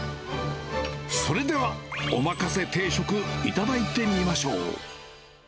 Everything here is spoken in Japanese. それではおまかせ定食、頂いてみましょう。